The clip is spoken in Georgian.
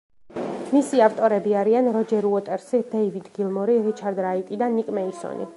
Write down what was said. მისი ავტორები არიან როჯერ უოტერსი, დეივიდ გილმორი, რიჩარდ რაიტი და ნიკ მეისონი.